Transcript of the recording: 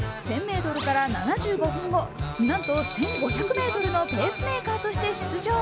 １０００ｍから７５分後、なんと１５００ｍのペースメーカーとして出場。